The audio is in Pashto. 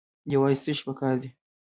یوازې څه شی پکار دی؟